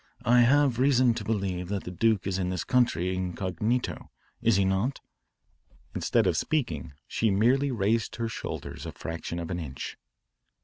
"I have reason to believe that the duke is in this country incognito is he not?" Instead of speaking she merely raised her shoulders a fraction of an inch.